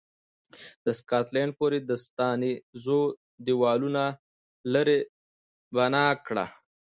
د سکاټلند پورې د ساتنیزو دېوالونو لړۍ بنا کړه.